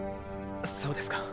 そうですか。